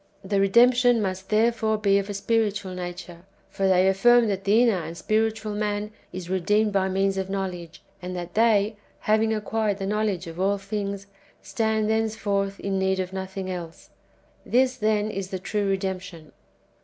The redemption must therefore be of a spiritual nature; for they affirm that the inner and spiritual man is redeemed by means of know ledge, and that they, having acquired the knowledge of all things, stand thenceforth in need of nothing else. This, then, is the true redemption.